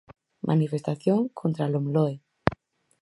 Manifestación contra a Lomloe.